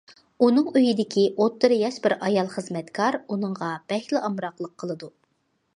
ئۇنىڭ ئۆيىدىكى ئوتتۇرا ياش بىر ئايال خىزمەتكار ئۇنىڭغا بەكلا ئامراقلىق قىلىدۇ.